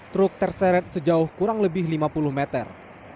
truk terseret sejauh kurang lebih lima puluh meter